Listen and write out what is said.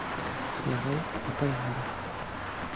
— Ярай, апайың бар.